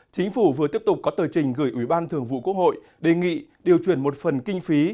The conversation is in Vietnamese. chính phủ vừa tiếp tục có tờ trình gửi ủy ban thường vụ quốc hội đề nghị điều chuyển một phần kinh phí